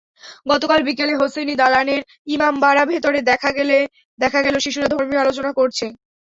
গতকাল বিকেলে হোসেনি দালানের ইমাম বাড়া ভেতরে দেখা গেল শিশুরা ধর্মীয় আলোচনা করছে।